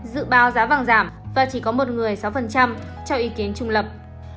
một mươi một dự báo giá vàng giảm và chỉ có một người sáu cho ý kiến trung lập